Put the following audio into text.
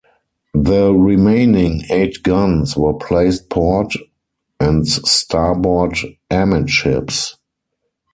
The remaining eight guns were placed port and starboard amidships.